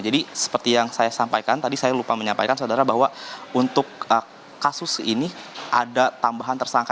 jadi seperti yang saya sampaikan tadi saya lupa menyampaikan saudara bahwa untuk kasus ini ada tambahan tersangka